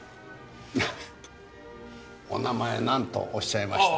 お名前なんとおっしゃいましたかな？